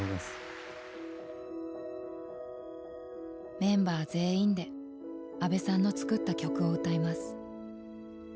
メンバー全員で安部さんの作った曲を歌います。